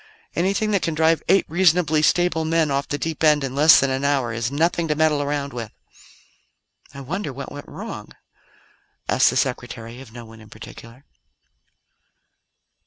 Anything that can drive eight reasonably stable men off the deep end in less than an hour is nothing to meddle around with." "I wonder what went wrong?" asked the Secretary of no one in particular.